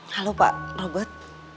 halo pak robert